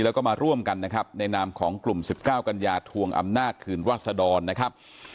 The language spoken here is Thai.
แล้วก็มาร่วมกันนะครับในนามของกลุ่ม๑๙กัญญาทวงอำนาจคืนวาสดรนะครับ